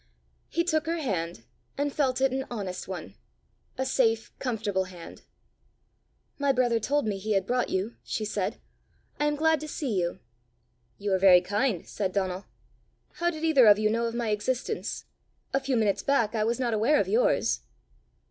He took her hand, and felt it an honest one a safe, comfortable hand. "My brother told me he had brought you," she said. "I am glad to see you." "You are very kind," said Donal. "How did either of you know of my existence? A few minutes back, I was not aware of yours."